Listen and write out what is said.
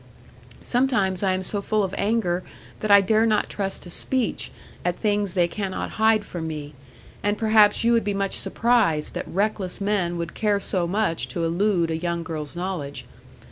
Sometimes I am so full of anger, that I dare not trust to speech, at things they cannot hide from me; and perhaps you would be much surprised that reckless men would care so much to elude a young girl's knowledge.